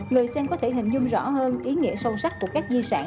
người xem có thể hình dung rõ hơn ý nghĩa sâu sắc của các di sản